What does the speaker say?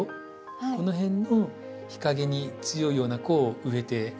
この辺の日陰に強いような子を植えてますね。